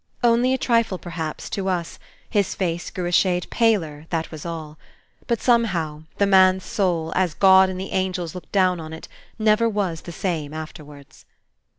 Only a trifle, perhaps, to us: his face grew a shade paler, that was all. But, somehow, the man's soul, as God and the angels looked down on it, never was the same afterwards.